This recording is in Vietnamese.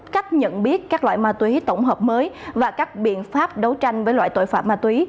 cách nhận biết các loại ma túy tổng hợp mới và các biện pháp đấu tranh với loại tội phạm ma túy